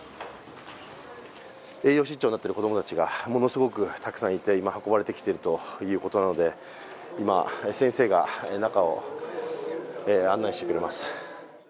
栄養失調なってる子供たちがものすごくたくさんいて今運ばれてきているということなので、今先生が中を案内してくれます。